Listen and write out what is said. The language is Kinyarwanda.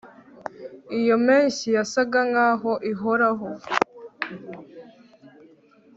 iyo mpeshyi yasaga nkaho ihoraho